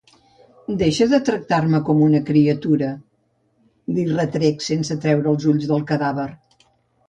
Deixa de tractar-me com una criatura —li retrec, sense treure els ulls del cadàver—.